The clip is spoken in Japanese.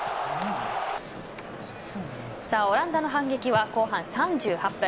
オランダの反撃は後半３８分。